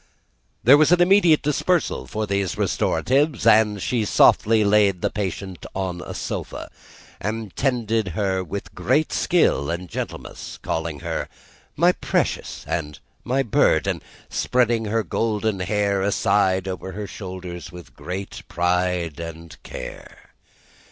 There was an immediate dispersal for these restoratives, and she softly laid the patient on a sofa, and tended her with great skill and gentleness: calling her "my precious!" and "my bird!" and spreading her golden hair aside over her shoulders with great pride and care.